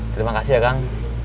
terima kasih ya kang